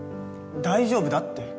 大丈夫だって！